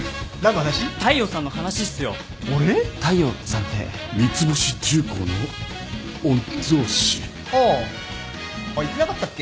あっ言ってなかったっけ？